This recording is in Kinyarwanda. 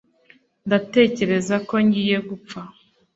ndatekereza ko ngiye gupfa